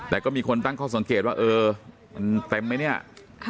แต่ก็มีคนตั้งข้อสังเกตว่าเออมันเต็มไหมเนี่ย